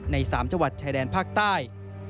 ๓จังหวัดชายแดนภาคใต้